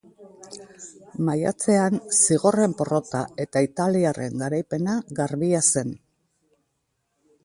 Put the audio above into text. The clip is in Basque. Maiatzean zigorren porrota eta italiarren garaipena garbia zen.